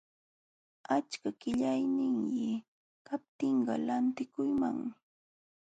Achka qillayniyki kaptinqa lantikukmanmi.